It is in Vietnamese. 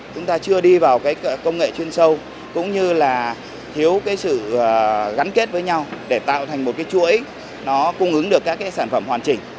chúng ta chưa đi vào cái công nghệ chuyên sâu cũng như là thiếu cái sự gắn kết với nhau để tạo thành một cái chuỗi nó cung ứng được các cái sản phẩm hoàn chỉnh